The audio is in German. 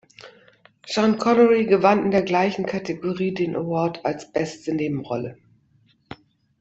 Sean Connery gewann in der gleichen Kategorie den Award als "Beste Nebenrolle".